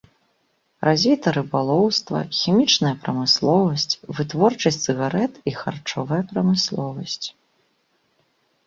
Развіта рыбалоўства, хімічная прамысловасць, вытворчасць цыгарэт і харчовая прамысловасць.